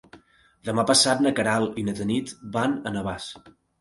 Demà passat na Queralt i na Tanit van a Navàs.